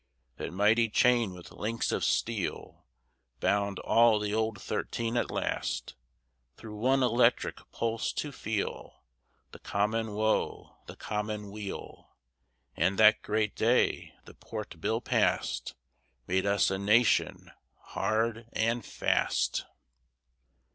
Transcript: That mighty chain with links of steel Bound all the Old Thirteen at last, Through one electric pulse to feel The common woe, the common weal. And that great day the Port Bill passed Made us a nation hard and fast.